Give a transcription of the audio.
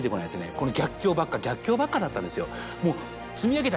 この逆境ばっか逆境ばっかだったんですよ。